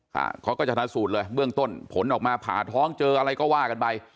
เขาก็ชนะสูตรเลยเบื้องต้นผลออกมาผ่าท้องเจออะไรก็ว่ากันไป